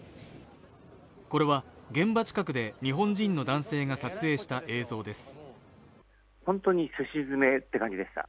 これは現場近くで日本人の男性が撮影した映像です。